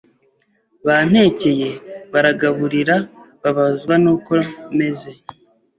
bantekeye baragaburira bababazwa n’uko meze